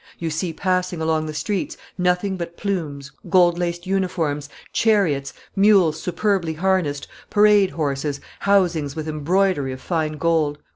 "You see passing along the streets nothing but plumes, gold laced uniforms, chariots, mules superbly harnessed, parade horses, housings with embroidery of fine gold."